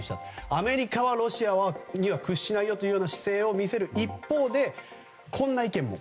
アメリカはロシアには屈しないよという姿勢を見せる一方でこんな意見も。